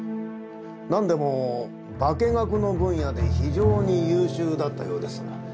何でも化学の分野で非常に優秀だったようです。